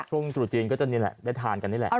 ช่วงศูนย์จีนก็จะนี่แหละได้ทานกันนี่แหละ